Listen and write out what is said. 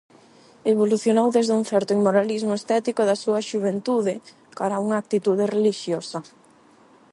Evolucionou desde un certo inmoralismo estético da súa xuventude cara a unha actitude relixiosa.